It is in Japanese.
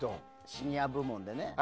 シニア部門でね。